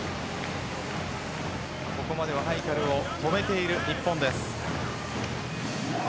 ここまでハイカルを止めている１本です。